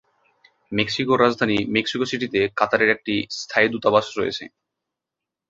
মেক্সিকোর রাজধানী মেক্সিকো সিটিতে কাতারের একটি স্থায়ী দূতাবাস রয়েছে।